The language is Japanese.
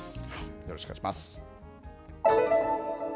よろしくお願いします。